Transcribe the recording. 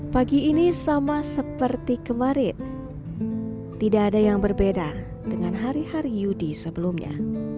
pagi ini sama seperti kemarin tidak ada yang berbeda dengan hari hari yudi sebelumnya